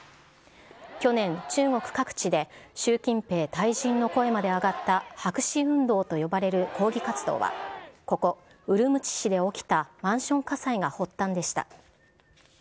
去年、中国各地で習近平退陣の声まで上がった白紙運動と呼ばれる抗議活動は、ここ、ウルムチ市で起きたマンション火災が発端でした。